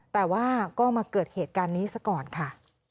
แต่ว่าก็มาเกิดเหตุการณ์นี้ซะก่อนค่ะ